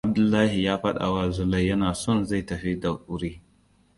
Abdullahi ya faɗawa Zulai yana son zai tafi da wuri.